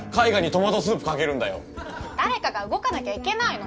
誰かが動かなきゃいけないの。